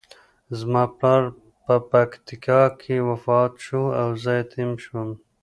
زما پلار په پکتیکا کې وفات شو او زه یتیم شوم.